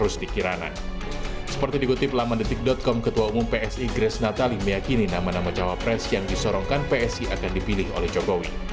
seperti dikutip lamandetik com ketua umum psi grace natali meyakini nama nama cawapres yang disorongkan psi akan dipilih oleh jokowi